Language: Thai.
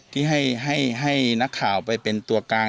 ที่ให้นักข่าวไปเป็นตัวกลาง